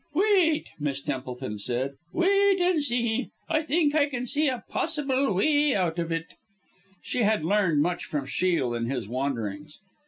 "Wait," Miss Templeton said, "wait and see. I think I can see a possible way out of it." She had learned much from Shiel in his "wanderings."